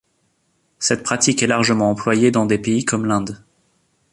Cette pratique est largement employée dans des pays comme l'Inde.